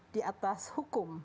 di atas hukum